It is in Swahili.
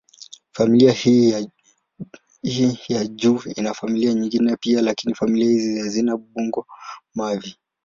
Familia hii ya juu ina familia nyingine pia, lakini familia hizi hazina bungo-mavi.